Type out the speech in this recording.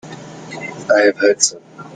I have heard so.